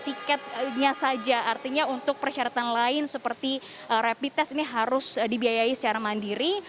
jika disini tidak ada voucher maka harus diberikan voucher untuk tiketnya saja artinya untuk persyaratan lain seperti rapid test ini harus dibiayai secara mandiri